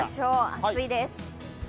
暑いです。